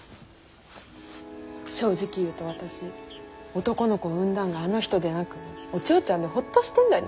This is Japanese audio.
正直言うと私男の子を生んだんがあの人でなくお千代ちゃんでホッとしてんだに。